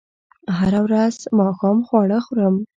هره ورځ ماښام خواړه خورم